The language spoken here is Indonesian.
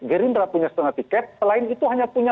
gerindra punya setengah tiket selain itu hanya punya